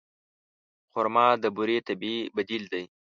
خرما د بوري طبیعي بدیل دی.